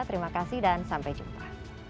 terima kasih dan sampai jumpa